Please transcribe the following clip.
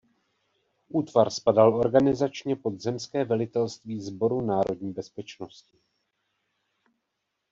Útvar spadal organizačně pod Zemské velitelství Sboru národní bezpečnosti.